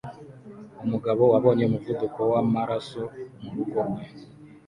Umugabo wabonye umuvuduko wamaraso murugo rwe